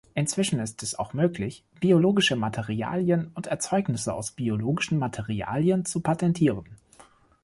Inzwischen ist es auch möglich, biologische Materialien und Erzeugnisse aus biologischen Materialien zu patentieren.